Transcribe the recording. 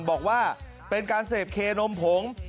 บอกว่าเป็นการเสพเคนมผง